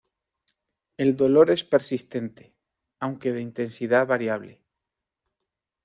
El dolor es persistente, aunque de intensidad variable.